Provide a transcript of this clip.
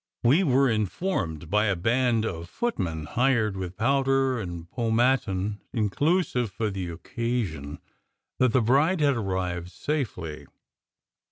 We were informed by a band of footmen, hired with powder and pomatum in clusive, for the occasion, that the bride had arrived safely.